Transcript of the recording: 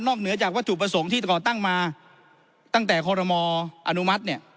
เหนือจากวัตถุประสงค์ที่ก่อตั้งมาตั้งแต่คอรมออนุมัติเนี่ย